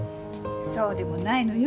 そうでもないのよ。